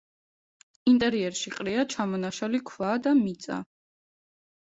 ინტერიერში ყრია ჩამონაშალი ქვა და მიწა.